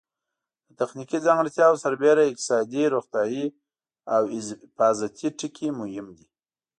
د تخنیکي ځانګړتیاوو سربېره اقتصادي، روغتیایي او حفاظتي ټکي مهم دي.